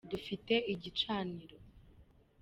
dufite igicaniro.